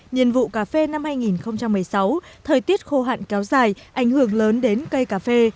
nhiên vụ cà phê năm hai nghìn một mươi sáu thời tiết khô hạn kéo dài ảnh hưởng lớn đến cây cà phê